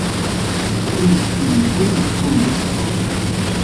Ur yettkeyyif, ur yettcummu.